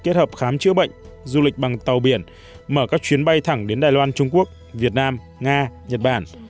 kết hợp khám chữa bệnh du lịch bằng tàu biển mở các chuyến bay thẳng đến đài loan trung quốc việt nam nga nhật bản